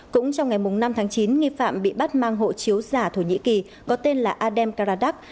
cũng trong ngày năm tháng chín nghi phạm bị bắt mang hộ chiếu giả thổ nhĩ kỳ có tên là adm karadakh